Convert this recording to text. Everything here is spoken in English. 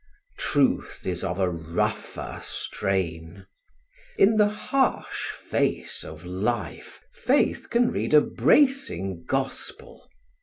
Truth is of a rougher strain. In the harsh face of life, faith can read a bracing gospel.